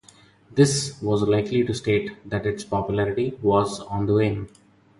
This was likely to state that its popularity was on the wane.